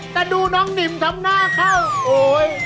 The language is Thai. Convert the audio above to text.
แต่ดูน้องนิ่มทำหน้าเข้าโอ๊ย